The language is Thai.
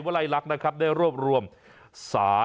ยืนยันว่าม่อข้าวมาแกงลิงทั้งสองชนิด